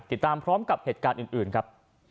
ติดตามพร้อมกับเหตุการณ์อื่นครับ